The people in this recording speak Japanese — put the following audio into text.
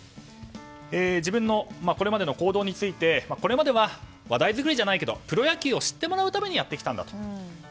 自分のこれまでの行動について、これまでは話題作りじゃないけどプロ野球を知ってもらうためにやってきたんだと。